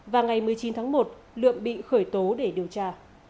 và ngày một mươi chín tháng một lượng bị khởi tố để điều tra